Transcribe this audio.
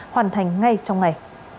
hoàn thành ngay trong ngày